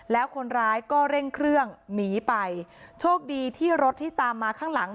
แล้วคนร้ายก็เร่งเครื่องหนีไปโชคดีที่รถที่ตามมาข้างหลัง